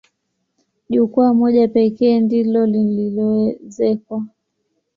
Jukwaa moja pekee ndilo lililoezekwa.